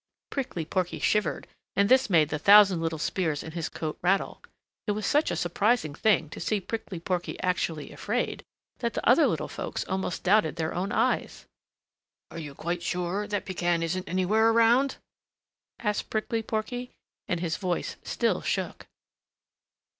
Prickly Porky shivered and this made the thousand little spears in his coat rattle. It was such a surprising thing to see Prickly Porky actually afraid that the other little folks almost doubted their own eyes. "Are you quite sure that Pekan isn't anywhere around?" asked Prickly Porky, and his voice still shook.